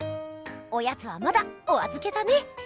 おやつはまだおあずけだね！